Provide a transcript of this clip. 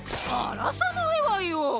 あらさないわよ！